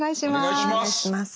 お願いします。